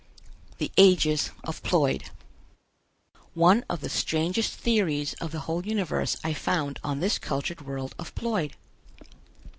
THE AGES OF PLOID. One of the strangest theories of the whole universe I found on this cultured world of Ploid.